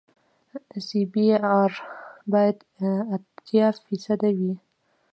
سی بي ار باید اتیا فیصده وي